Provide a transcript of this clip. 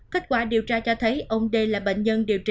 kết quả điều tra cho thấy ông đê là bệnh nhân điều trị